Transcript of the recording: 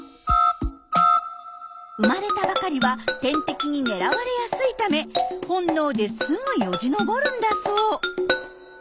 生まれたばかりは天敵に狙われやすいため本能ですぐよじ登るんだそう。